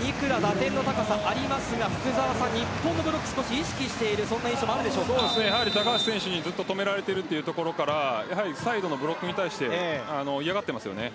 ニクラ、打点の高さがありますが日本のブロックを意識している印象も高橋選手にずっと止められているところからサイドのブロックに対して嫌がっていますね。